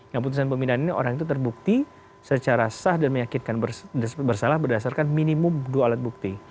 yang putusan pembinaan ini orang itu terbukti secara sah dan meyakinkan bersalah berdasarkan minimum dua alat bukti